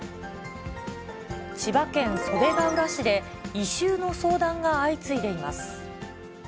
千葉県袖ケ浦市で、異臭の相談が相次いでいます。